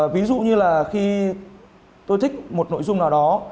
ví dụ như là khi tôi thích một nội dung nào đó